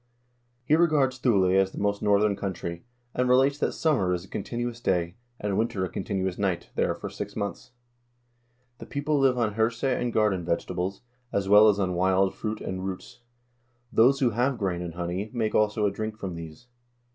He regards Thule as the most northern country, and relates that summer is a con tinuous day, and winter a continuous night, there for six months. "The people live on hirse and garden vegetables, as well as on wild fruit and roots. Those who have grain and honey make also a drink from these.